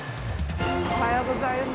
おはようございます。